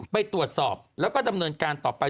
ไปตรวจสอบแล้วก็ดำเนินการต่อไป